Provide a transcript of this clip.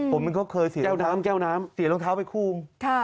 ผมก็เคยเสียรองเท้าไปคู่ม